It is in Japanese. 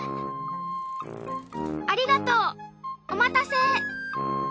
ありがとうお待たせ。